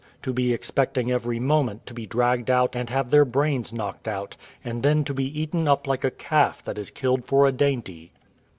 to be expecting every moment to be dragged out and have their brains knocked out, and then to be eaten up like a calf that is killed for a dainty.